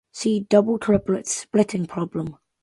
See doublet-triplet splitting problem.